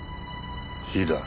火だ。